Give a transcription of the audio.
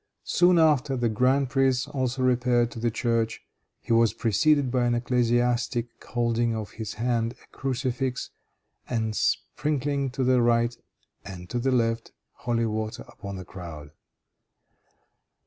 Soon after, the grand prince also repaired to the church. He was preceded by an ecclesiastic holding in his hand a crucifix, and sprinkling to the right and to the left holy water upon the crowd.